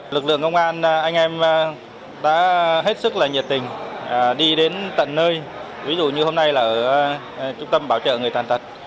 lực lượng công an anh em đã hết sức là nhiệt tình đi đến tận nơi ví dụ như hôm nay là ở trung tâm bảo trợ người tàn tật